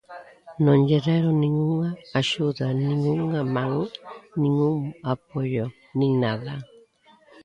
Non lle deron nin unha axuda, nin unha man, nin un apoio nin nada.